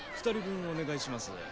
２人分お願いします。